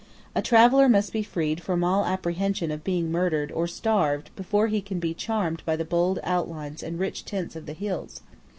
A traveller must be freed from all apprehension of being murdered or starved before he can be charmed by the bold outlines and rich tints of the hills.